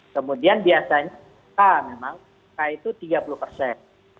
kemudian biasanya phk memang phk itu tiga puluh persen